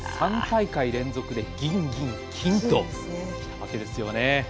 ３大会連続で銀、銀、金ときたわけですよね。